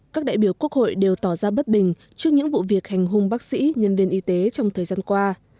các đại biểu quốc hội đều tỏ ra bất bình trước những vụ việc hành hung bác sĩ nhân viên y tế trong thời gian qua